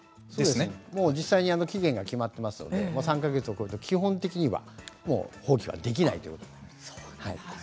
実際に期限が決まっていますので３か月を超えたら基本的に放棄はできないということです。